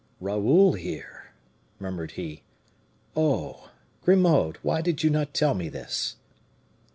"Raoul here!" murmured he. "Oh! Grimaud, why did you not tell me this?"